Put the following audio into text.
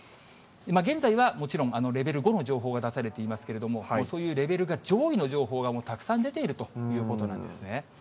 現在はもちろん、レベル５の情報が出されていますけれども、そういうレベルが上位の情報がたくさん出ているということなんですね。